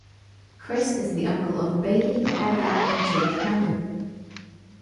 Kris is the uncle of Bailey, Abbey and Jake Mangum.